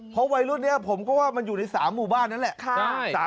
เพราะวัยรุ่นนี้ผมก็ว่ามันอยู่ใน๓หมู่บ้านนั่นแหละ